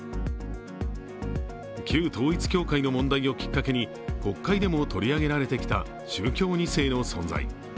旧統一教会の問題をきっかけに、国会でも取り上げられてきた宗教２世の問題。